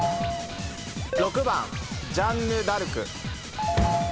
６番ジャンヌ・ダルク。